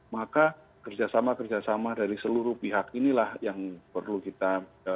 maka kerjasama kerjasama dari seluruh pihak inilah yang perlu kita